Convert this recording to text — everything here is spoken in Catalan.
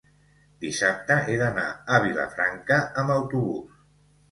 Dissabte he d'anar a Vilafranca amb autobús.